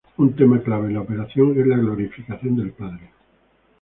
Un tema clave de la oración es la glorificación del Padre.